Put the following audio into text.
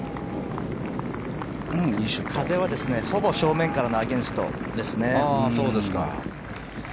風は、ほぼ正面からのアゲンストですね。